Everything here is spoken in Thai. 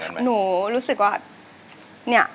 ไม่เบื่อค่ะหนูรู้สึกว่า